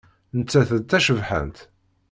Nettat d tacebḥant.